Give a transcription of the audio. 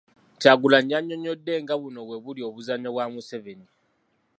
Kyagulanyi yannyonnyodde nga buno bwe buli obuzannyo bwa Museveni